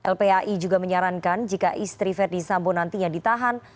lpai juga menyarankan jika istri ferdisambo nantinya ditahan